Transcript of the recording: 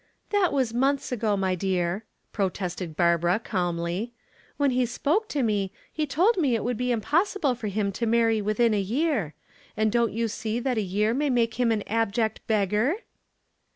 "That was months ago, my dear," protested Barbara, calmly. "When he spoke to me he told me it would be impossible for him to marry within a year. And don't you see that a year may make him an abject beggar?"